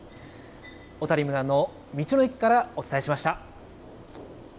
小谷村の道の駅からお伝えしまし